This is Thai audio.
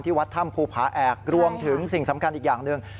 วัดถ้ำภูผาแอกรวมถึงสิ่งสำคัญอีกอย่างหนึ่ง